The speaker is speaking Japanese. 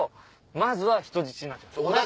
まずは人質になっちゃった。